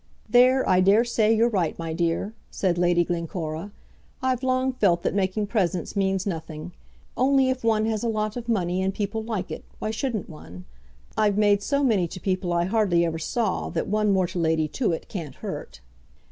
"There I daresay you're right, my dear," said Lady Glencora. "I've long felt that making presents means nothing. Only if one has a lot of money and people like it, why shouldn't one? I've made so many to people I hardly ever saw that one more to Lady Tewett can't hurt."